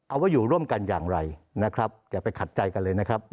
เอาว่าอยู่ร่วมกันอย่างไรนะครับอย่าไปขัดใจกันเลยนะครับ